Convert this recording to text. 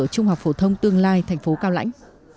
trung học phổ thông tương lai tp cao lãnh